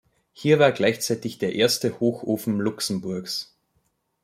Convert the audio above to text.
Hier war gleichzeitig der erste Hochofen Luxemburgs.